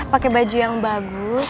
pake baju yang bagus